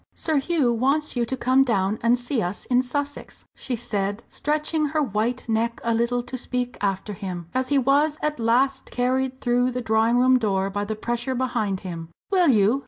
"Sir Hugh wants you to come down and see us in Sussex," she said, stretching her white neck a little to speak after him, as he was at last carried through the drawing room door by the pressure behind him. "Will you?"